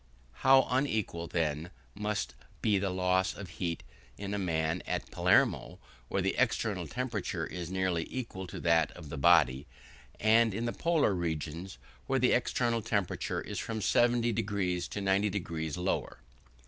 How unequal, then, must be the loss of heat in a man at Palermo, where the external temperature is nearly equal to that of the body, and in the polar regions, where the external temperature is from 70 deg to 90 deg lower!